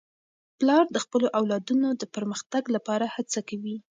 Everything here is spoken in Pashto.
پلار د خپلو اولادونو د پرمختګ لپاره هڅه کوي.